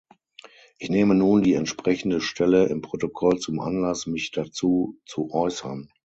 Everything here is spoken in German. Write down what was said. Ich nehme nun die entsprechende Stelle im Protokoll zum Anlass, mich dazu zu äußern.